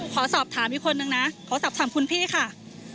ขอสอบถามอีกคนนึงนะขอสอบถามคุณพี่ค่ะ